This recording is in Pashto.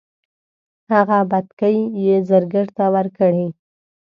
هغه بتکۍ یې زرګر ته ورکړې.